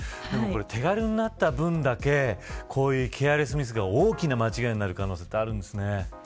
手軽になった分だけケアレスミスが大きな間違いになる可能性があるんですね。